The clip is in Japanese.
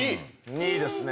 ２ですね。